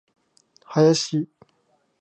林